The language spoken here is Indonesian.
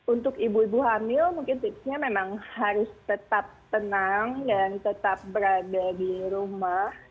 untuk ibu ibu hamil mungkin tipsnya memang harus tetap tenang dan tetap berada di rumah